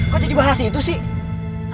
kok jadi bahas itu sih